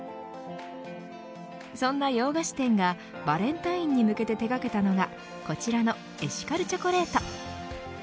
そんな洋菓子店がバレンタインに向けて手がけたのがこちらのエシカルチョコレート。